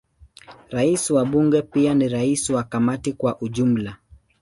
Rais wa Bunge pia ni rais wa Kamati kwa ujumla.